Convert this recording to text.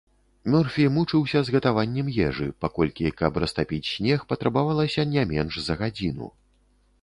Мёрфі мучыўся з гатаваннем ежы, паколькі, каб растапіць снег, патрабавалася не менш за гадзіну.